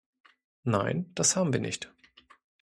Nein, das haben wir nicht.